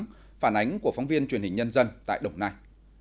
đây là ý kiến của phóng viên truyền hình nhân dân tại đồng nai